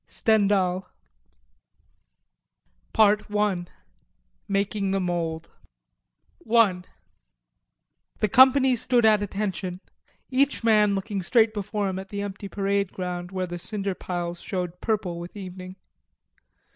STENDHAL PART ONE: MAKING THE MOULD I The company stood at attention, each man looking straight before him at the empty parade ground, where the cinder piles showed purple with evening.